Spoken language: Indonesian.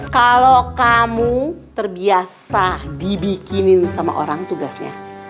kalau kamu terbiasa dibikinin sama orang tugasnya